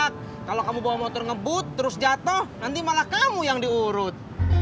anak kalau kamu bawa motor ngebut terus jatuh nanti malah kamu yang diurut